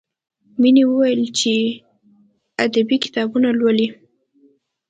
مینې وویل چې ادبي کتابونه لولي